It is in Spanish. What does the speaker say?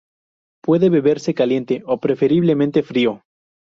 Puede beberse caliente, o preferiblemente frío.